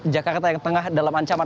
jakarta yang tengah dalam ancaman